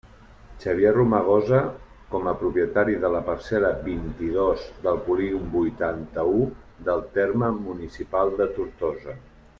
Xavier Romagosa, com a propietari de la parcel·la vint-i-dos del polígon vuitanta-u del terme municipal de Tortosa.